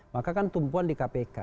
maka kan tumpuan di kpk